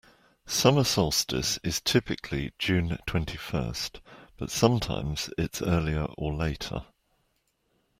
Summer solstice is typically June twenty-first, but sometimes it's earlier or later.